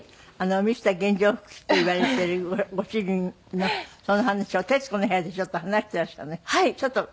ミスター原状復帰っていわれているご主人のその話を『徹子の部屋』でちょっと話していらしたね。